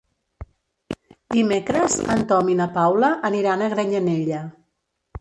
Dimecres en Tom i na Paula aniran a Granyanella.